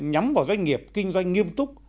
nhắm vào doanh nghiệp kinh doanh nghiêm túc